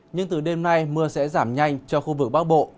nhưng từ đêm nay mưa sẽ giảm nhanh cho khu vực bắc bộ